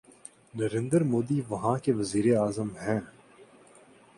نریندر مودی وہاں کے وزیر اعظم ہیں۔